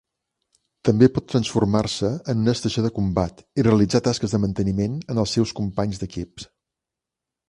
També pot transformar-se en una estació de combat i realitzar tasques de manteniment en els seus companys d'equip.